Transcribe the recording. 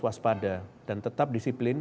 waspada dan tetap disiplin